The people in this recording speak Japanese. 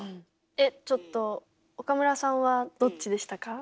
えっちょっと岡村さんはどっちでしたか？